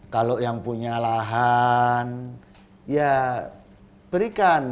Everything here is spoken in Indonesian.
kalau yang punya lahan ya berikan